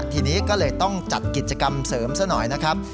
ทีนี้ก็เลยต้องจัดกิจกรรมเสริมซะหน่อยนะครับ